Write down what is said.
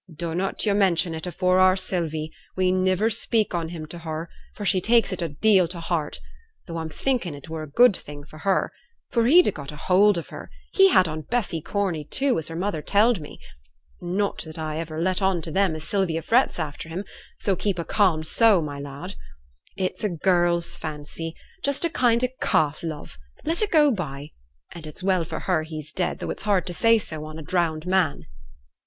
'Dunnot yo' mention it afore our Sylvie; we niver speak on him to her, for she takes it a deal to heart, though I'm thinkin' it were a good thing for her; for he'd got a hold of her he had on Bessy Corney, too, as her mother telled me; not that I iver let on to them as Sylvia frets after him, so keep a calm sough, my lad. It's a girl's fancy just a kind o' calf love; let it go by; and it's well for her he's dead, though it's hard to say so on a drowned man.'